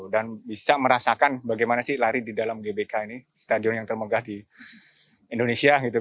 dan bisa merasakan bagaimana sih lari di dalam gbk ini stadion yang termegah di indonesia gitu kan